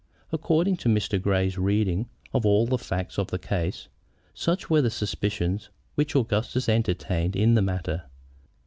According to Mr. Grey's reading of all the facts of the case, such were the suspicions which Augustus entertained in the matter.